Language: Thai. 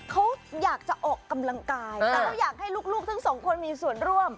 เขาอยากจะออกกำลังกายแต่เขาอยากให้ลูกทั้งสองคนมีส่วนร่วม